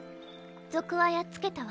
賊はやっつけたわ・